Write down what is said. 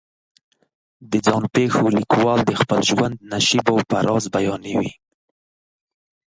د ځان پېښو لیکوال د خپل ژوند نشیب و فراز بیانوي.